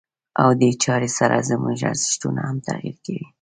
او دې چارې سره زموږ ارزښتونه هم تغيير کوي.